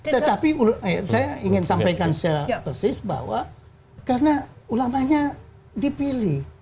tetapi saya ingin sampaikan secara persis bahwa karena ulamanya dipilih